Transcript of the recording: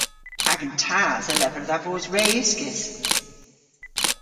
Agan tas a lever dha vos re uskis.